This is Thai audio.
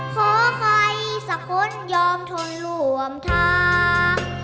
ขอไปสักคนยอมทนร่วมทาง